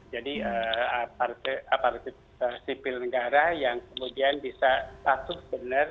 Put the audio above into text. jadi apartemen sipil negara yang kemudian bisa status benar